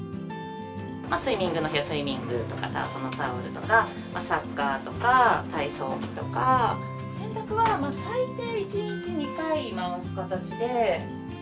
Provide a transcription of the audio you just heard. スイミングの日はスイミングの、そのタオルとか、サッカーとか、体操着とか、洗濯は最低１日２回回す形で。